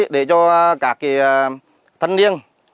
để cho các thân niên